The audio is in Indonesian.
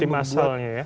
tim asalnya ya